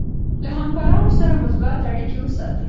له همکارانو سره مثبت اړیکه وساتئ.